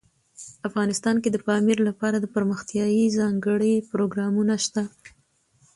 افغانستان کې د پامیر لپاره دپرمختیا ځانګړي پروګرامونه شته.